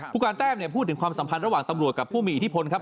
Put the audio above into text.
ผู้การแต้มพูดถึงความสัมพันธ์ระหว่างตำรวจกับผู้มีอิทธิพลครับ